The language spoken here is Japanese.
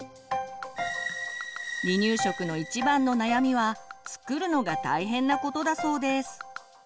離乳食の一番の悩みは作るのが大変なことだそうです。